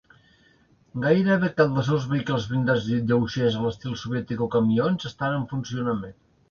Gairebé cap dels seus vehicles blindats lleugers a l'estil soviètic o camions estan en funcionament.